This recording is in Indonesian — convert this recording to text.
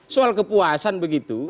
soal kepuasan begitu